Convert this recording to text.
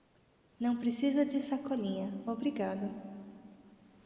Não precisa de sacolinha, obrigado.